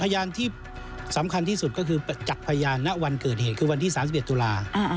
พยานที่สำคัญที่สุดก็คือจากพยานณวันเกิดเหตุคือวันที่๓๑ตุลา